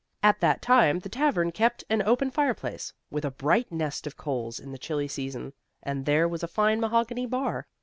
At that time the tavern kept an open fireplace, with a bright nest of coals in the chilly season; and there was a fine mahogany bar.